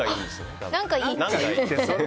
何かいい。